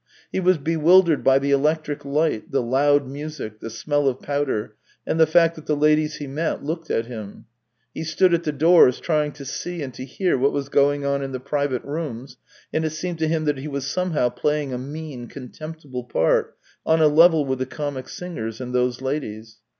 He was bewildered by the electric light, the loud music, the smell of powder, and the fact that the ladies he met looked at him. He stood at the doors trying to see and to hear what was going on in the private rooms, and it seemed to him that he was somehow playing a mean, contemptible part on a level with the comic singers and those ladies.